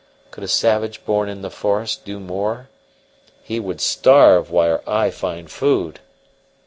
Could a savage born in the forest do more? He would starve where I find food!"